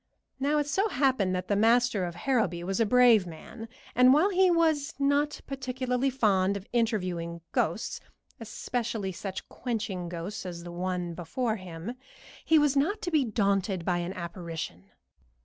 Now it so happened that the master of Harrowby was a brave man, and while he was not particularly fond of interviewing ghosts, especially such quenching ghosts as the one before him, he was not to be daunted by an apparition.